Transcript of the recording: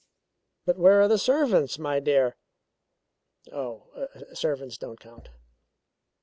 "But where are the servants, my dear?" "Oh, servants don't count."